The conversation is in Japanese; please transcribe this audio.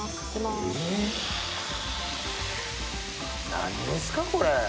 何ですかこれ！